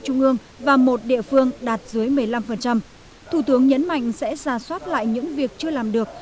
trung ương và một địa phương đạt dưới một mươi năm thủ tướng nhấn mạnh sẽ ra soát lại những việc chưa làm được